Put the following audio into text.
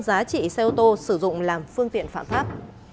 giá trị xe ô tô sử dụng làm phương tiện phạm pháp